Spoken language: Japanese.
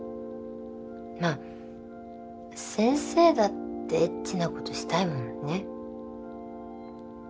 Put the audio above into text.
まあ先生だってエッチなことしたいもんね。